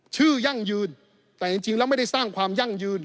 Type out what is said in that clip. ยั่งยืนแต่จริงแล้วไม่ได้สร้างความยั่งยืน